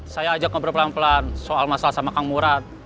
saya ajak ngobrol pelan pelan soal masalah sama kang murad